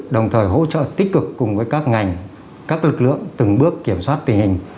đồng thời hỗ trợ tích cực cùng với các ngành các lực lượng từng bước kiểm soát tình hình